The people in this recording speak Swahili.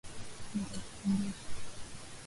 Nitakukumbusha.